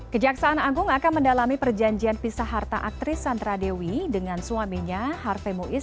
kejaksaan agung akan mendalami perjanjian pisah harta aktris sandra dewi dengan suaminya harve muiz